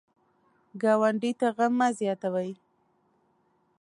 ګاونډي ته غم مه زیاتوئ